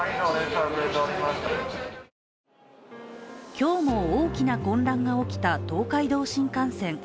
今日も大きな混乱が起きた東海道新幹線。